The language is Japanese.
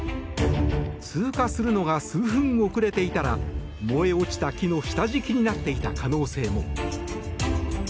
通過するのが数分遅れていたら燃え落ちた木の下敷きになっていた可能性も。